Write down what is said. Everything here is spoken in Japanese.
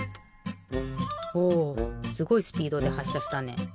おすごいスピードではっしゃしたね。